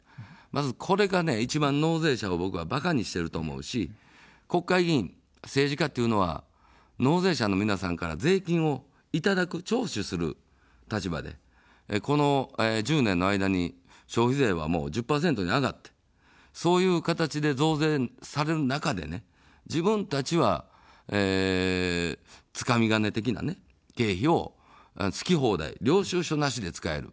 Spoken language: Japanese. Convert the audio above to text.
まずこれが一番、納税者を僕はバカにしてると思うし、国会議員、政治家というのは納税者の皆さんから税金をいただく、徴収する立場で、この１０年の間に消費税は１０％に上がって、そういう形で増税される中で、自分たちは、つかみ金的な経費を好き放題、領収書なしで使える。